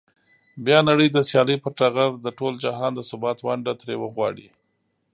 بیا نړۍ د سیالۍ پر ټغر د ټول جهان د ثبات ونډه ترې وغواړي.